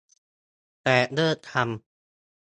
แต่ เลิกทำ